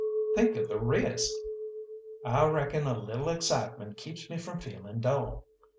"Think of the risk!" "I reckon a little excitement keeps me from feelin' dull.